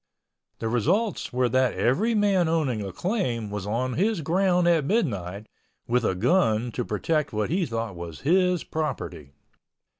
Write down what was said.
The results were that every man owning a claim was on his ground at midnight with a gun to protect what he thought was his property.